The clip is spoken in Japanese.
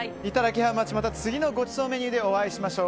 ハウマッチ次のごちそうメニューでお会いしましょう。